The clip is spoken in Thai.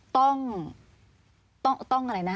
ต้องอะไรนะ